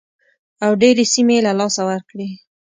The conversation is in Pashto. او ډېرې سیمې یې له لاسه ورکړې.